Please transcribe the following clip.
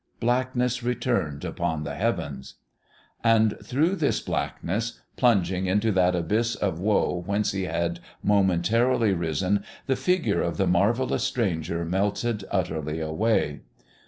Blackness returned upon the heavens. And through this blackness, plunging into that abyss of woe whence he had momentarily risen, the figure of the marvellous stranger melted utterly away.